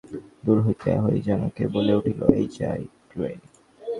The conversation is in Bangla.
দূর হইতে ওই যেন কে বলিয়া উঠিল, এই যাই রে।